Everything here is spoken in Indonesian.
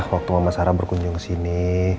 waktu mama sarah berkunjung kesini